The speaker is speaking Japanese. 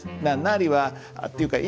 「なり」はっていうか